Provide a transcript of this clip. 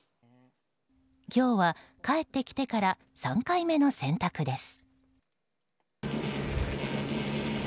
今日は帰ってきてから３回目の洗濯です。